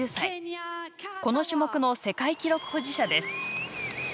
この種目の世界記録保持者です。